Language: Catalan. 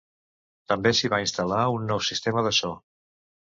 També s'hi va instal·lar un nou sistema de so.